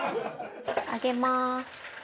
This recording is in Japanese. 上げます。